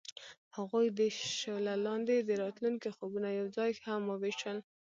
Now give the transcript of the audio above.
هغوی د شعله لاندې د راتلونکي خوبونه یوځای هم وویشل.